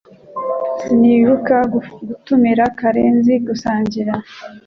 Sinibuka gutumira Karenzi gusangira